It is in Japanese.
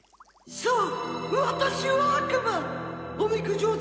そう！